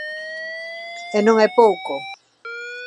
E non é pouco.